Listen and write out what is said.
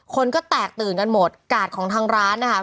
คนก็แตกตื่นกันหมดกาดของทางร้านนะคะ